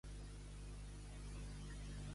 A Cullera, toputs.